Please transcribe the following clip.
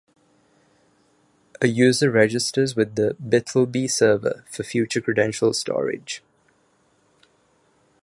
A user registers with the BitlBee server for future credentials storage.